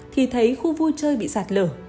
thì thấy khu vui chơi bị sạt lở